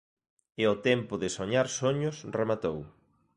E o tempo de soñar soños rematou…